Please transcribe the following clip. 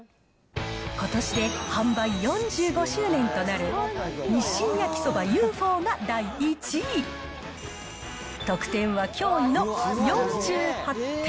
ことしで販売４５周年となる、日清焼そばＵＦＯが得点は驚異の４８点。